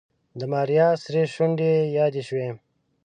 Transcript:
د ماريا سرې شونډې يې يادې شوې.